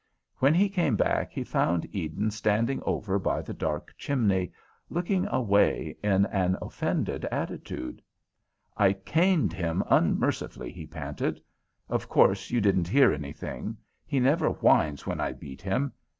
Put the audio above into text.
When he came back, he found Eden standing over by the dark chimney, looking away in an offended attitude. "I caned him unmercifully," he panted. "Of course you didn't hear anything; he never whines when I beat him.